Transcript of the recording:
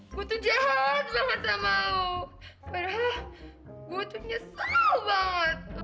padahal gue tuh nyesel banget